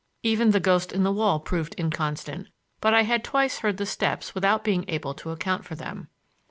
Even the ghost in the wall proved inconstant, but I had twice heard the steps without being able to account for them.